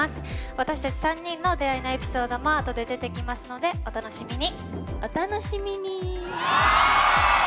私たち３人の出会いのエピソードもあとで出てきますのでお楽しみに。